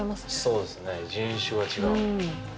そうですね人種は違う。